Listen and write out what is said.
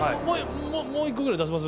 もう一個ぐらい出せます？